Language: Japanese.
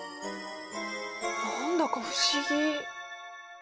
何だか不思議。